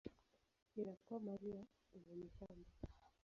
inakuwa mali ya mwenye shamba.